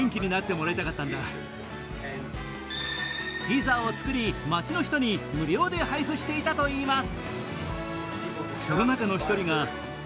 ピザを作り、街の人に無料で配布していたといいます。